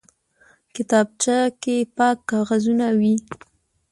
کتابچه کې پاک کاغذونه وي